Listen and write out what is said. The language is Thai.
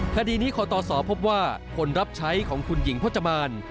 คดีนี้ขอตศพบว่าคนรับใช้ของคุณหญิงพจมาน